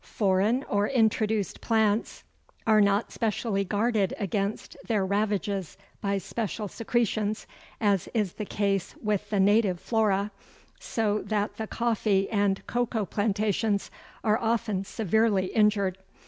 Foreign or introduced plants are not specially guarded against their ravages by special secretions, as is the case with the native flora, so that the coffee and cocoa plantations are often severely injured.